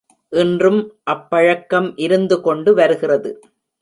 இன்றும் அப்பழக்கம் இருந்து கொண்டு வருகிறது.